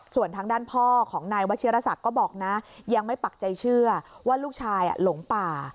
ส่วนทางด้านพ่อของนายวัชิรศักดิ์ก็บอกนะยังไม่ปักใจเชื่อว่าลูกชายหลงป่า